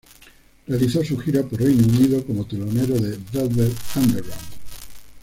Realizaron su gira por Reino Unido como teloneros de Velvet Underground.